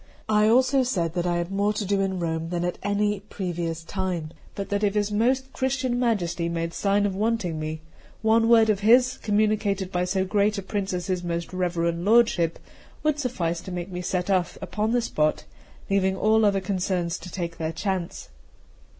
I also said that I had more to do in Rome than at any previous time; but that if his most Christian Majesty made sign of wanting me, one word of his, communicated by so great a prince as his most reverend lordship, would suffice to make me set off upon the spot, leaving all other concerns to take their chance.